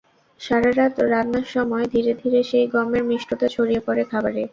সারা রাত রান্নার সময় ধীরে ধীরে সেই গমের মিষ্টতা ছড়িয়ে পড়ে খাবারে।